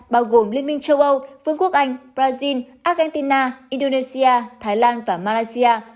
bao gồm liên minh châu âu vương quốc anh brazil argentina indonesia thái lan và malaysia